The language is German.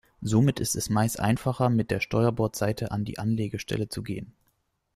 Somit ist es meist einfacher, mit der Steuerbordseite an die Anlegestelle zu gehen.